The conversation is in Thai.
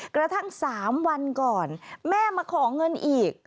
กระทั่ง๓วันก่อนแม่มาขอเงินอีก